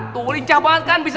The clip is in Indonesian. tuh lincah banget kan